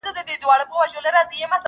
که طوطي چېري ګنجی لیدلی نه وای!!